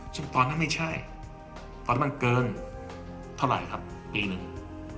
ซึ่งตอนนั้นไม่ใช่ตอนนั้นเกินเท่าไหร่ครับปีหนึ่ง